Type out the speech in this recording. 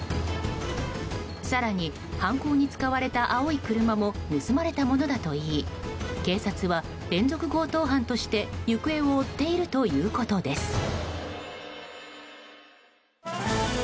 更に犯行に使われた青い車も盗まれたものだといい警察は連続強盗犯として行方を追っているということです。